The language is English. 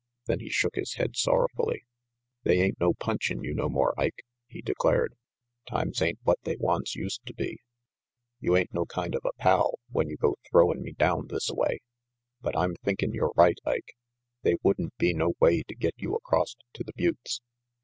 Then he shook his head sorrowfully. "They ain't no punch in you no more, Ike," he declared. "Times ain't what they once used to be. 57 58 RANGY PETE You ain't no kind of a pal, when you go throwin' me down thisaway. But I'm thinkin' you're right, Ike. They wouldn't be no way to get you acrost to the buttes.